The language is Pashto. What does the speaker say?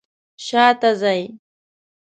شاته ځئ